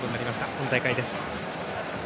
今大会です。